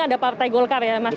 ada partai golkar ya mas